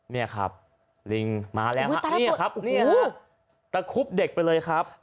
นี่ครับลิงมาแล้วฮะตะคุบเด็กไปเลยครับ